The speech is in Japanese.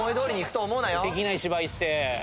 できない芝居して。